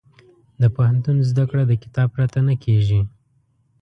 د پوهنتون زده کړه د کتاب پرته نه کېږي.